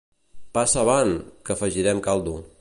Passa avant, que afegirem caldo.